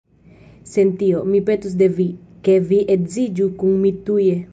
Sen tio, mi petus de vi, ke vi edziĝu kun mi tuje.